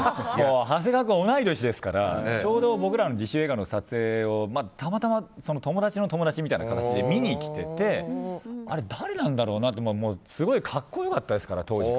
長谷川君は同い年ですからちょうど僕らの自主映画の撮影をたまたま友達の友達みたいな感じで見に来ててあれ誰なんだろうなってすごい格好良かったですから。